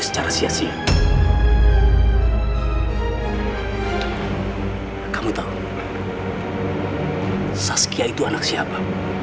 saskia itu anak siapa